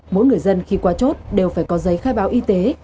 mỗi người dân khi qua chốt đều phải có giấy khai báo y tế